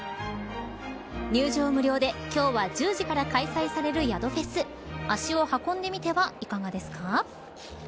入場無料で、今日は１０時から開催される宿フェス足を運んでみてはいかがですか。